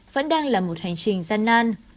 vẫn đang là một hành trình gian nan